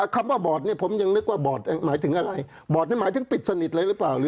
คราวบอร์ดเนี่ยผมยังนึกว่าบอร์ดหมายถึงอะไรเขาหมายถึงปิดสนิทเลยรึเปล่า